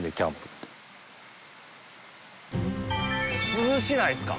涼しないっすか？